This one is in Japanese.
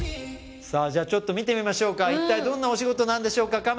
さあじゃあちょっと見てみましょうか一体どんなお仕事なんでしょうか